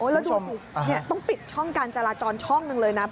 ต้องปิดช่องการจราจรช่องหนึ่งเลยนะ